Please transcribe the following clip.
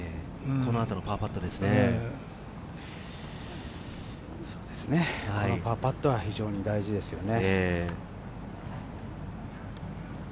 このパーパットは非常に大事ですね。